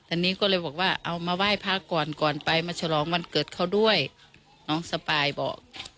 อันนี้ก็เลยบอกว่าเอามาไหว้พระก่อนก่อนไปมาฉลองวันเกิดเขาด้วยน้องสปายบอก